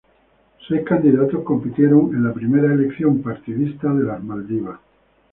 Seis candidatos compitieron en la primera elección partidista de las Maldivas.